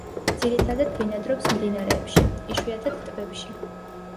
ძირითადად ბინადრობს მდინარეებში, იშვიათად ტბებში.